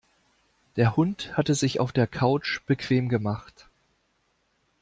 Der Hund hat es sich auf der Couch bequem gemacht.